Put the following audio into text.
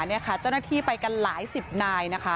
เจ้าหน้าที่ไปกันหลายสิบนายนะคะ